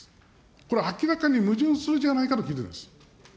これは明らかに矛盾するではないかと聞いているんです。